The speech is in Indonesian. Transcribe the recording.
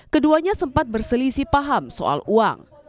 keduanya sempat berselisih paham soal uang